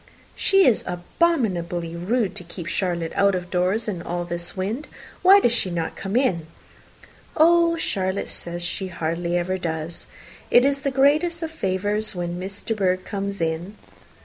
"She is abominably rude to keep Charlotte out of doors in all this wind. Why does she not come in?" "Oh, Charlotte says she hardly ever does. It is the greatest of favours when Miss De Bourgh comes in."